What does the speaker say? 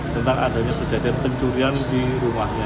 tentang adanya kejadian pencurian di rumahnya